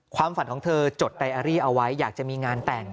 ความฝันของเธอจดไดอารี่เอาไว้อยากจะมีงานแต่ง